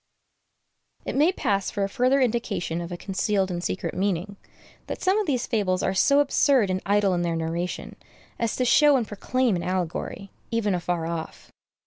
It may pass for a further indication of a concealed and secret meaning, that some of these fables are so absurd and idle in their narration, as to show and proclaim an allegory, even afar off.